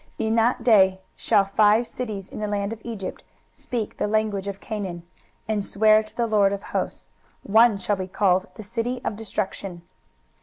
23:019:018 In that day shall five cities in the land of Egypt speak the language of Canaan, and swear to the LORD of hosts; one shall be called, The city of destruction.